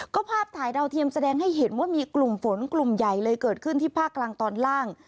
ก็ภาพถ่ายดาวเทียมแสดงให้เห็นว่ามีกลุ่มฝนกลุ่มใหญ่เลยเกิดขึ้นที่ภาคกลางตอนล่าง